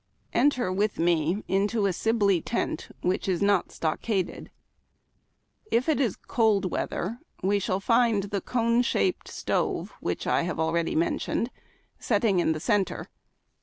Enter with me into a Sib ley tent which is not stockaded. If it is cold weather, we shall find the cone shaped stove, which I have already mentioned, setting in the centre.